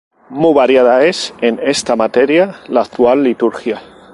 Muy variada es en esta materia la actual liturgia".